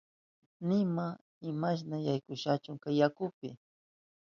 Nima imashna yaykushanchu kay yakupi.